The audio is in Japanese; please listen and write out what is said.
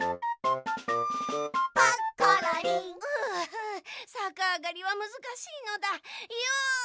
ふうさかあがりはむずかしいのだ。よ！